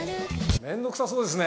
めんどくさそうですね。